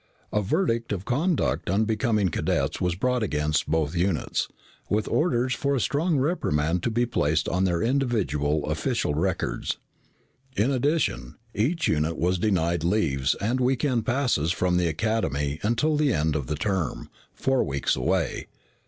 A verdict of conduct unbecoming cadets was brought against both units, with orders for a strong reprimand to be placed on their individual official records. In addition, each unit was denied leaves and week end passes from the Academy until the end of the term, four weeks away.